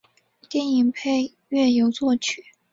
电影配乐由作曲。